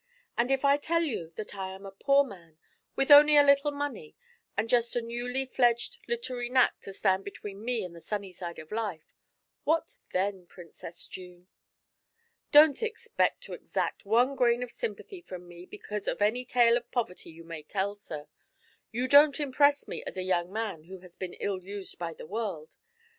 'And if I tell you that I am a poor man, with only a little money and just a newly fledged literary knack to stand between me and the sunny side of life what then, Princess June?' 'Don't expect to extract one grain of sympathy from me because of any tale of poverty you may tell, sir. You don't impress me as a young man who has been ill used by the world.